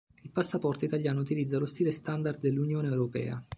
Il passaporto italiano utilizza lo stile standard dell'Unione europea.